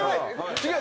違う！